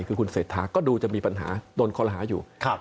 คือคุณเศรษฐาก็ดูจะมีปัญหาโดนคอรหาอยู่